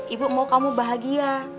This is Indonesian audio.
ibu mau kamu bahagia